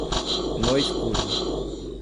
No escuro